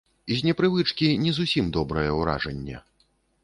З непрывычкі не зусім добрае ўражанне.